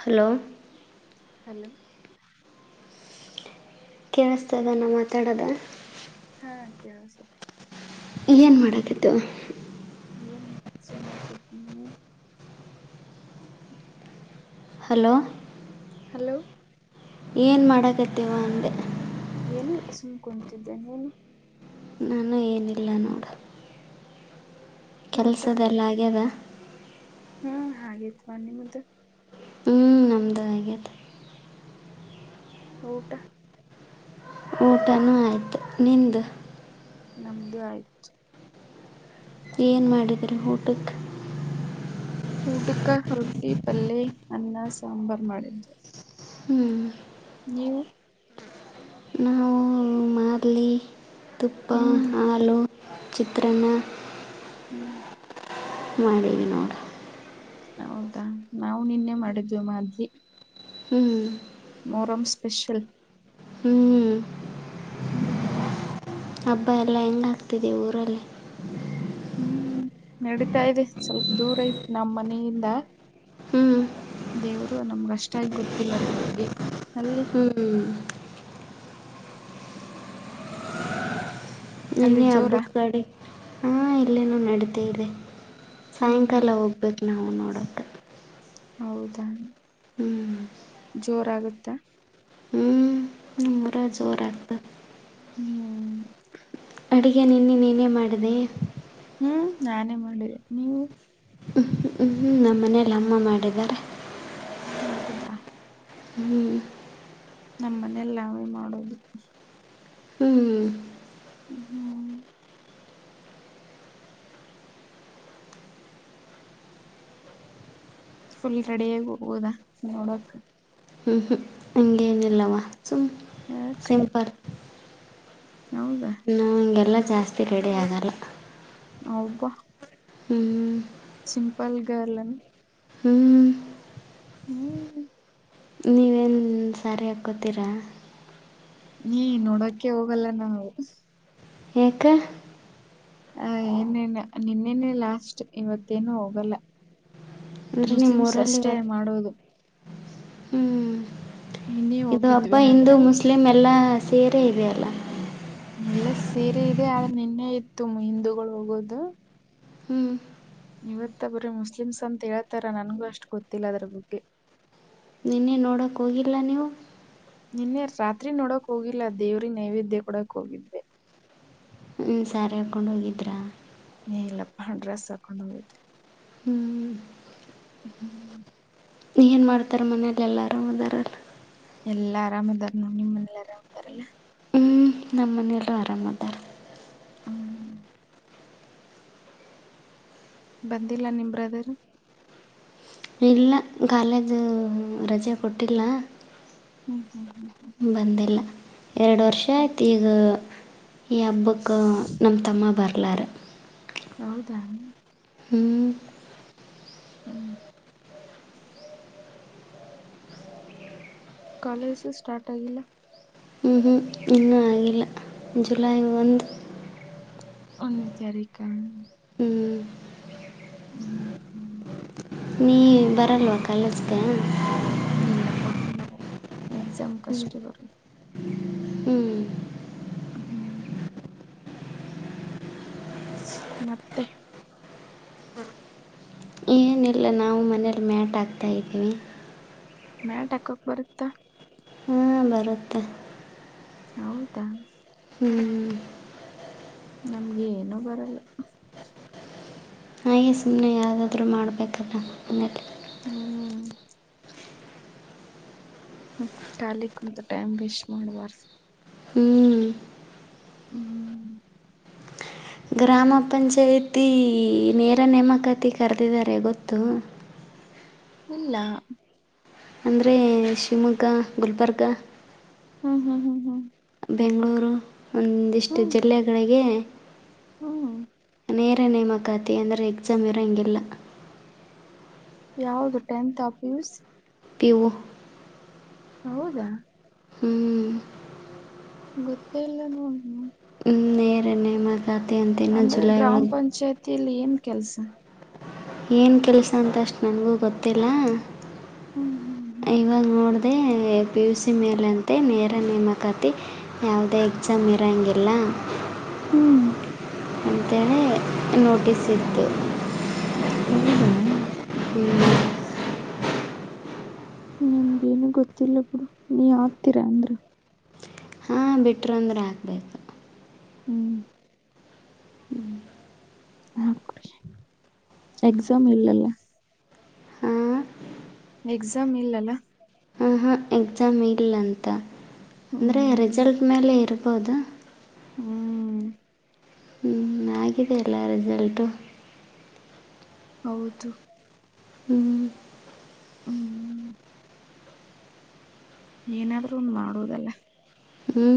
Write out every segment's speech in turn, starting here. Hello hello ಕೇಳಿಸ್ತಾ ಇದ ನ ಮಾತಾಡೋದ ಹಾ ಕೇಳಿಸ್ತಿದೆ ಏನ್ ಮಾಡುತ್ತಿದ್ದು ಏನಿಲ್ಲ ಸುಮ್ಮ್ನೆ ಕೊಡ್ತ ನೀ ಹಲೋ ಹಲೋ ಏನ್ ಮಾಡಕತ್ತವಾ ಅಂದೆ ಏನ ಇಲ್ಲ ಸುಮ್ನೆ ಕುಂತಿದ್ದೆ ನೀನು ನಾನು ಏನಿಲ್ಲ ನೋಡು ಊಟ ಕೆಲ್ಸದೆಲ್ಲ ಆಗ್ಯದ ಹ್ಮ್ ಹಾಗೇತ್ವಾ ನಿಮ್ದ ಹ್ಞೂ ನಮ್ಮದು ಆಗ್ಯದ ಊಟಾ ಊಟನೂ ಆಯಿತು ನಿಂದು ನಮ್ದು ಆಯ್ತು ಏನ್ ಮಾಡಿದ್ರ ಊಟಕ್ಕೆ ಊಟಕ ರೊಟ್ಟಿ ಪಲ್ಲೆ ಅನ್ನ ಸಾಂಬಾರ್ ಮಾಡಿದ್ರು ಹ್ಮ್ ನೀವು ನಾವು ಮಾದಲಿ ತುಪ್ಪ ಹ್ಮ್ ಆಲೂ ಚಿತ್ರಾನ್ನ ಹ್ಮ್ ಮಾಡಿವಿ ನೋಡ ಹೌದಾ ನಾವು ನಿನ್ನೆ ಮಾಡಿದ್ದ್ವಿ ಮಾದ್ಲಿ ಹ್ಮ್ ಮೊಹರಂ ಸ್ಪೆಷಲ್ ಹ್ಞೂ ಹ್ಮ್ ಹಬ್ಬ ಎಲ್ಲ ಹೆಂಗಾಗ್ತಿದೆ ಊರಲ್ಲಿ ಹ್ಮ್ ನಡೀತಾ ಇದೆ ಸ್ವಲ್ಪ ದೂರ ತ್ ನಮ್ಮ್ ಮನೆಯಿಂದ ಹ್ಞೂ ದೇವರು ನಮಗಷ್ಟಾಗಿ ಗೊತ್ತಿಲ್ಲ ಅದ್ರ ಬಗ್ಗೆ ಅಲ್ಲಿ [inaudible] ಅಲ್ಲಿ ಮನ್ನೆ ಹಬ್ಬ ಜೋರ ಕಡೆ ಹಾ ಇಲ್ಲೇನೂ ನಡೀತ ಇದೆ ಹ್ಮ್ ಹ್ಮ್ ಸಾಯಂಕಾಲ ಹೋಗ್ಬೇಕು ನಾವು ನೋಡೋಕ್ಕೆ ದ ಜೋರಾಗುತ್ತ ಕಮರ ಜೋರ ಆಗತ ಹ್ಮ್ ಅಡುಗೆ ನಿನ್ನೆ ನೀೇನೇ ಮಾಡಿದೆ ಹ್ಮ್ ನಾನೇ ಮಾಡಿ ನೀವು ಞ ಹ್ಞೂ ಹ್ಞೂ ನಮ್ಮ ಮನೇಲಿ ಅಮ್ಮ ಮಾಡಿದ್ದಾರೆ ಹೌದಾ ಹ್ಮ್ ನಮ್ಮನೆಲ್ ನಾವೇ ಮಾಡೋದು. ಹ್ಞೂ ಹ್ಞೂ ಹ್ಮ್ ಹ್ಮ್ ಫುಲ್ ರೆಡಿಯಾಗಿ ಹೋಗೋದಾ ನೋಡಕ್. ಹ್ಞ ಹ್ಞ ಹಂಗೇನಿಲ್ಲವಾ ಸುಮ್ಮ ಯಾಕ ಸಿಂಪಲ್. ಹೌದಾ ನಾ ಹಂಗೆಲ್ಲ ಜಾಸ್ತಿ ರೆಡಿ ಆಗಲ್ಲ. ಅಬ್ಬಾ. ಹ್ಮ್ ಸಿಂಪಲ್ ಗರ್ಲ ಏನ್. ಹ್ಞೂ ಹ್ಮ್ ಕೊಕ್ಕತ್ತರ ನೀ ನೋಡೋಕೆ ಹೋಗಲ್ಲ ನಾವು ಹ ಹ ಏನೇನ್ ನಿನ್ನೆನೆ ಲಾಸ್ಟ್ ಇವತ್ತೇನು ಹೋಗಲ್ಲ. ಅಂದರೆ ನಿಮ್ಮ ಮುಸ್ಲಿಮ್ಸ್ ಊರಲ್ಲಿ ಅಷ್ಟೇ ಇವತ್ತು ಮಾಡೋದು. ಹ್ಞೂ ನಿನ್ನೆ ಇದು ಹಬ್ಬ ಹೋಗಿದ್ವಿ ಆದ್ರ ಹಿಂದೂ ಮುಸ್ಲಿಂ ಎಲ್ಲಾ ಸೇರೆ ಇದೆ ಅಲ್ಲ. ಎಲ್ಲ ಸೇರೆ ಇದೆ ಆದ್ರೆ ನಿನ್ನೆ ಇತ್ತು ಹಿಂದೂಗಳು ಹೋಗೋದು. ಹ್ಞೂ ಇವತ್ತ ಬರೇ ಮುಸ್ಲಿಮ್ಸ್ ಅಂತ ಹೇಳ್ತಾರ ನನ್ಗೂ ಅಷ್ಟು ಗೊತ್ತಿಲ್ಲ ಅದರ ಬಗ್ಗೆ. ನಿನ್ನೆ ನೋಡೋಕ್ಕ ಹೋಗಿಲ್ಲ ನೀವು. ನಿನ್ನೆ ರಾತ್ರಿ ನೋಡಕ್ ಹೋಗಿಲ್ಲ ದೇವ್ರಿಗ್ ನೈವೇದ್ಯ ಕೊಡಕ್ ಹೋಗಿದ್ದೆ. ಹ ಸ್ಯಾರಿ ಹಾಕೊಂಡ ಹೋಗಿದ್ರಾ. ಏ ಇಲ್ಲಪ್ಪ ಡ್ರೆಸ್ ಹಾಕೊಂಡು ಹೋಗಿದ್ದೆ. ಹ್ಮ್ ಹಂ ಹಂ ನೀ ಏನ್ ಮಾಡ್ತಾರ ಮನೇಲೆ ಎಲ್ಲ ಆರಾಮ್ ಅದಾರ ಅಲ್. ಎಲ್ಲಾ ಆರಾಮದಾರ ನೋಡ್ ನಿಮ್ಮ ಮನೇಲಿ ಆರಾಮ್ ಅದಾರಿಲ್ಲ. ಹ್ಞೂ ನಮ್ಮ ಮನೆಯಲ್ಲು ಆರಾಮ ಅದಾರ್. ಹ್ಮ್ ಬಂದಿಲ್ಲ ನಿಮ್ ಬ್ರದರ್? ಇಲ್ಲ ಕಾಲೇಜು ರಜೆ ಕೊಟ್ಟಿಲ್ಲ. ಹ್ಮ್ ಹ್ಮ್ ಹ್ಮ್ ಹ್ಮ್ ಬಂದಿಲ್ಲ ಎರಡು ವರ್ಷ ಹ್ಮ್ ಆಯ್ತ್ ಈಗ ಈ ಹಬ್ಬಕ್ಕ ನಮ್ಮ ತಮ್ಮ ಬರ್ತ ಲಾರ. ಹೌದಾ ಹ್ಮ್ ಹ್ಮ್ ಕಾಲೇಜು ಸ್ಟಾರ್ಟ್ ಆಗಿಲ್ಲ. ಹ್ಞ ಹ್ಞೂ ಇನ್ನೂ ಆಗಿಲ್ಲ ಜುಲೈ ಒಂದು ಒನ್ನೇ ತಾರಿಕಾ. ಹ್ಞೂ ಹ್ಮ್ ಹ್ಮ್ ನೀ ಬರಲ್ವಾ ಕಾಲೇಜ್ಕ. ಇಲ್ಲಪ್ಪಾ ಬರಲ್ಲ ಎಕ್ಸಾಮ್ಕಷ್ಟ ಬರುದು. ಹ್ಞೂ ಹ್ಮ್ ಮತ್ತೆ ಏನಿಲ್ಲ ನಾವು ಮನೇಲಿ ಮ್ಯಾಟ್ ಆಗ್ತಾ ಇದ್ವಿ. ಮ್ಯಾಟ ಹಾಕಕ್ ಬರುತ್ತ. ಹಾ ಬರುತ್ತೆ. ಹೌದಾ ಹ್ಮ್ ನಮ್ಗ ಏನೂ ಬರಲ್ಲ. ಹಾಗೆ ಸುಮ್ಮನೆ ಯಾವು್ದಾದ್ರೂ ಮಾಡಬೇಕಲ್ಲ ಹ್ಮ್ ಾಲಿ ಕುಂತ ಟೈಮ್ ವೇಸ್ಟ್ ಮಾಡುವಾರ ಹ್ಮ್ ಹ್ಮ್ ಗ್ರಾಮ ಪಂಚಾಯಿತಿ ನೇರ ನೇಮಕಾತಿ ಕರೆದಿದ್ದಾರೆ ಗೊತ್ತು ಇಲ್ಲ ಅಂದರೆ ಶಿವಮೊಗ್ಗ ಗುಲ್ಬರ್ಗ ಹ್ಮ್ ಹ್ಮ್ ಹ್ಮ್ ಹ್ಮ್ ಬೆಂಗಳೂರು ಒಂದಿಷ್ಟು ಹ್ಮ್ ಜಿಲ್ಲೆಗಳಿಗೆ ಹ್ಮ್ ನೇರ ನೇಮಕಾತಿ ಅಂದರೆ ಎಕ್ಸಾಮ್ ಇರಂಗಿಲ್ಲ. ಯಾವುದು ಟೆಂತ್ ಅಪ್ಯೂಸ್ ಪಿವು ಹೌದಾ ಹ್ಮ್ ಗೊತ್ತೇ ಇಲ್ಲ ನ ನೇರ ನೇಮಕಾತಿ ಅಂತ ಇನ್ನು ಅಂದ್ರೆ ಜುಲೈ ಗ್ರಾಮ ಒಳಗೆ ಪಂಚಾಯತಿೀಲಿ ಏಮ ಕೆಲ್ಸ ಏನ್ ಕೆಲ್ಸ ಅಂತ ಅಷ್ಟ್ ನನ್ಗೂ ಗೊತ್ತಿಲ್ಲ ಹ್ಮ್ ಹ್ಮ್ ಹ್ಮ್ ಇವಾಗ ನೋಡ ಹ ಪಿ ಯು ಸಿ ಮೇಲಂತೆ ನೇರ ನೇಮಕಾತಿ ಯಾವುದೇ ಎಕ್ಸಾಮ್ ಇರೋಂಗಿಲ್ಲ ಹ್ಮ್ ಅಂತೇಳಿ ನೋಟ್ ಇತ್ತು ಹೌದಾ ಹ್ಮ ನನ್ಗೇನು ಗೊತ್ತಿಲ್ಲ ಬಿುಡು ನೀ ಆತೀರಾ ಅಂದ್ರ ಹಂ ಬಿಟ್ರ ಅಂದರೆೆ ಹಾಕ್ಬೇಕು ಹ್ಮ್ ಹಕ್ರಿ ಎಕ್ಸಾಮ್ ಇಲ್ಲಲ್ಲ ಹಾಂ ಎಕ್ಸಾಮ್ ಇಲ್ಲಲ್ಲ ಹಾಂ ಎಕ್ಸಾಮ್ ಇಲ್ಲ ಅಂತ ಅಂದರೆ ಹ್ಮ್ ರಿಸಲ್ಟ್ ಮೇಲೆ ಇರ್ಬೋದ ಹ್ಮ್ ಹ್ಞ ಆಗಿದ ಎಲ್ಲ ರಿಸಲ್ಟು ಹೌದು ಹ್ಮ್ ಹ್ಮ್್ಮ ಏನಾದ್ರೂ ಒಂದು ಮಾಡುವುದಲ್ಲ ಹ್ಞೂ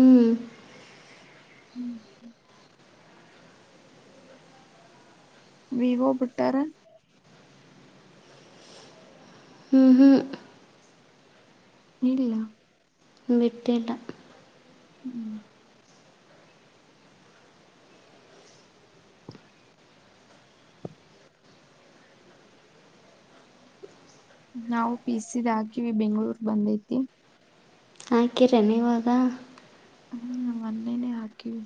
ಹ್ಮ್ ವಿವೋ ಬಿಟ್ಟಾರೆ ಹ್ಮ್ ಹ್ಮ್ ಇಲ್ಲ ಬಿಟ್ಟಿಲ್ಲ ಹ್ಮ್ ನಾವು ಪಿಸಿದ್ ಹಾಕಿವಿ ಬೆಂಗಳೂರು ಬಂದೈತಿ ಹಾಕಿರೇನ್ ಇವಾಗ ಹ್ಮ ಮೊನ್ನೇನೇ ಹಾಕಿವಿ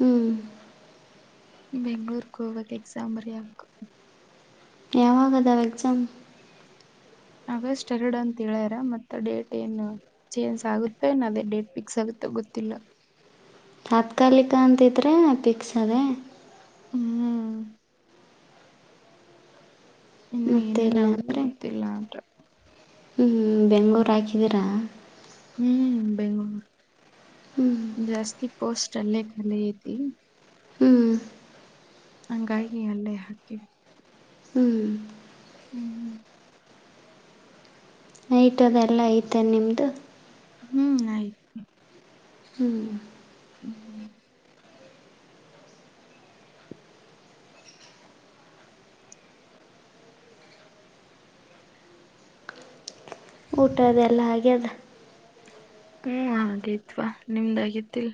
ಹ್ಞೂ ಬೆಂಗಳೂರು ಹೋಗ್ಬೇಕು ಎಕ್ಸಾಮ್ ಬರಿಯಕ್ಕ ಯಾವಾಗದ ಎಕ್ಸಾಮ್ ಆಗಸ್ಟ್ ಎರಡು ಅಂತ ಹೇಳ್ಯಾರ ಮತ್ತೆ ಡೇಟ್ ಏನ್ ಚೇಂಜ್ ಆಗುತ್ತೆನ್ ಅದೇ ಡೇಟ್ ಫಿಕ್ಸ್ ಆಗುತ್ತೆ ಗೊತ್ತಿಲ್ಲ ತಾತ್ಕಾಲಿಕ ಅಂತಿದ್ರೆ ಪಿಕ್ಸ್ ಅದೆೇ ಹ್ಮ್ ಮತ್ತೆ ಎಲ್ಲಂದ ತಿಲ್ಲಾಟ ಬೆಂಗಳೂರು ಹಾಕಿದೀರಾ ಹ್ಮ್ ಬೆಂಗಳೂರು ಹ್ಞೂ ಜಾಸ್ತಿ ಪೋಸ್ಟ್ ಅಲ್ಲೇ ಕಾಲಿ ಐತಿ ಹ್ಞೂ ಹಂಗಾಗಿ ಅಲ್ಲೇ ಹಾಕಿವಿ ಹ್ಞೂ ಹ್ಮ್ ಹ್ಮ್ ನೈಟ್ ಅದೆಲ್ಲ ಆಯ್ತಾ ನಿಮ್ದು ಹ್ಮ್ ಆಯ ಹೂ ಹ್ಮ್ ಹ್ಮ್ ಊಟದ ಎಲ್ಲಾ ಆಗೈತಾ ಹ್ಮ್ ಹಾಗೇತ್ವಾ ನಿಮ್ದಾಗತಿಲ್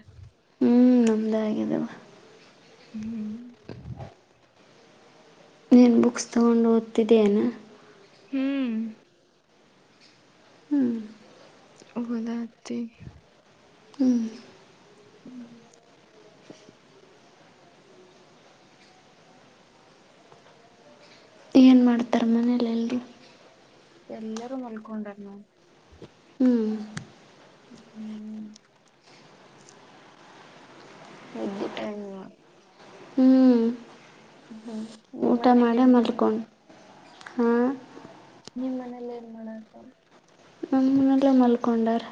ನಮದಾಯಗದವ ಹ್ಮ್ ನಿನ್ ಬುಕ್ ತಗೊಂಡು ಓದಿದ್ದು ಏನೋ ಹೂ ಹ್ಞೂ ಭಲತಿ ಹ್ಞೂ ಹ್ಮ್ ಏನ್ ಮಾಡ್ತಾ ಎಲ್ಲರೂ ಮಲ್ಕೊಂಡವ್ರ್ನೋ ಹ್ಞೂ ಹೂ ಎದ್ದಿ ಟೈಮ್ಟ ನೋ ಹ್ಞೂ ಹೂ ಊಟ ಮಾಡೇ ಮಲ್ಕೊಂಡು ಹಾ ನಿಮ್ಮನೆಯಲ್ಲಿ ಏನ್ ಮಾಡತಾರೆ ಮೂನಲ್ಲ ಮಲ್ಕೊಂಡರ್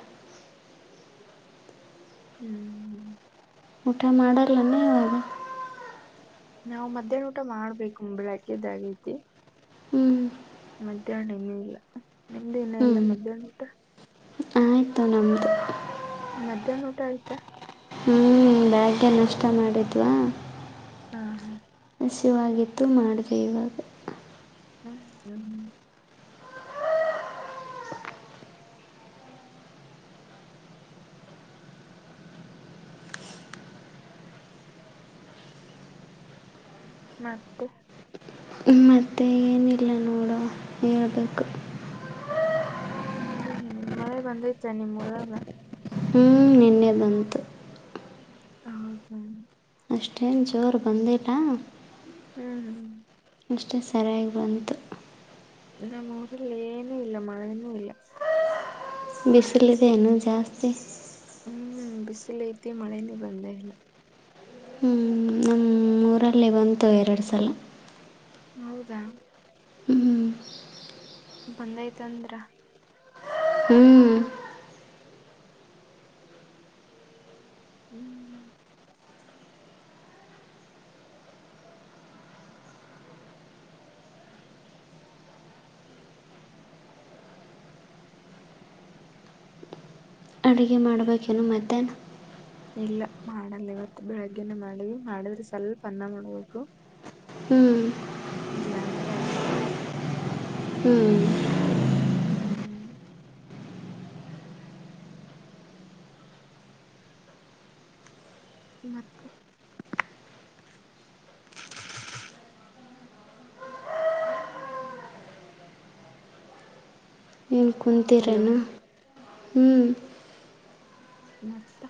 ಹ್ಮ್ ಹ್ಮ ಊಟ ಮಾಡಲೇನು ಇವಾಗ ನಾವು ಮಧ್ಯಾಹ್ನ ಊಟ ಮಾಡಬೇಕು ಬೆಳಗ್ಗೆದಾಗೈತೆ ಹ್ಞೂ ಮಧ್ಯಾಹ್ನ ಇನ್ನು ಇಲ್ಲ ನಿಮ್ಡ್ ಇಲ್ವಾ ಇನ್ನ ಹ್ಞೂ ಮಧ್ಯಾಹ್ನದ ಊಟ ಆಯಿತು ನಮ್ಮದು ಮಧ್ಯಾಹ್ನ ಊಟ ಆಯ್ತಾ ಹ್ಞೂ ಬೆಳಗ್ಗೆ ನಾಷ್ಟ ಮಾಡಿದ್ವಾ ಹಾ ಹಾ ಹಸುವಾಗಿತ್ತು ಮಾಡ್ದೆ ಇವಾಗ ಹಾ ಹ್ಮ್ ಮತ್ತೆ ಮತ್ತೆ ಏನಿಲ್ಲ ನೋಡೋ ಹೇಳ್ಬೇಕು ನ ಏನ ಮಳೆ ಬಂದೈತೆ ನಿಮ್ಮ್ೂಊರಾಗ ಹ್ಮ್ ನಿನ್ನ ಹದನ್ ಅಷ್ಟೇನು ಜೋರು ಬಂದೇಿಲ್ಲ ಹ್ಮ್ ಅಷ್ಟೇ ಸರಿಯಾಗಿ ಬಂತು ನಮ್ಮರು ಲೇನೂ ಇಲ್ಲ ಮಳನೂ ಇಲ್ಲ ಬಿಸಿಲಿಿದ ಇನು ಜಾಸ್ತಿ ಹ್ಮ್ ಬಿಸಿಲು ಐತಿ ಮಳೆನೇ ಬಂದೇ ಇಲ್ಲ ನಮ್ಮೂಊರಲ್ಲಿ ಬಂತು ಎರಡು ಸಲ ಹೌದಾ ಹ್ಞೂ ಬಂದೈ್ತ ಅಂದ್ರ ಹ್ಮ್ ಹ್ಮ್ ಅಡುಗೆ ಮಾಡ್ಬೇಕೇನೋ ಮದ್ಯಾಹ್ನ ಇಲ್ಲ ಮಾಡಲ್ಲ ಇವತ್ತು ಬೆಳಗ್ಗೆನ ಮಾಡಿವ ಮಾಡಿದ್ರೆ ಸ್ವಲ್ಪ ಅನ್ನ ಮಾಡ್ಬೇಕು ಹ್ಞೂ ಇಲ್ಲಾ ಅಂದ್ರ ಇಲ್ಲ ಹ್ಞೂ ಹ್ಮ್ ಮ ಹಲೋ ಕುಂತಿರೆನ ಹ್ಮ ಮತ್ತ